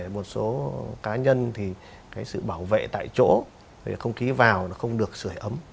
một số cá nhân thì sự bảo vệ tại chỗ không khí vào không được sửa ấm